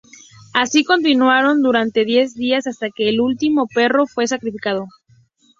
Así continuaron durante diez días hasta que el último perro fue sacrificado.